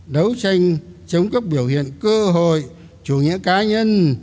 đấu tranh chống các biểu hiện cơ hội chủ nghĩa cá nhân